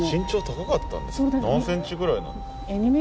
何センチぐらいなのかな？